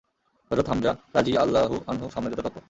হযরত হামযা রাযিয়াল্লাহু আনহু সামনে যেতে তৎপর।